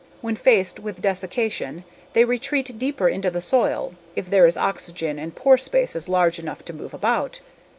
When faced with desiccation they retreat deeper into the soil if there is oxygen and pore spaces large enough to move about.